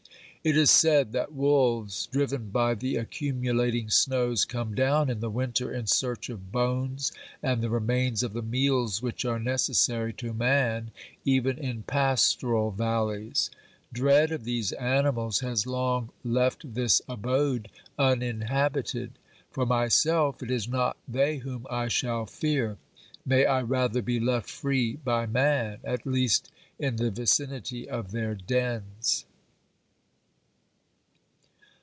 It is said that wolves, driven by the accumulating snows, come down in the winter in search of bones and the re mains of the meals which are necessary to man even in pastoral valleys. Dread of these animals has long left this abode uninhabited. For myself it is not they whom I shall fear. May I rather be left free by man, at least in the vicinity of their dens